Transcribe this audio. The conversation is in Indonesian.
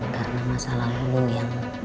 karena masa lalu yang